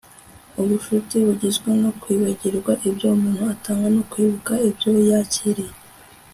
ubucuti bugizwe no kwibagirwa ibyo umuntu atanga no kwibuka ibyo yakiriye